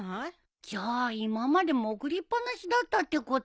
じゃあ今までもぐりっ放しだったってこと？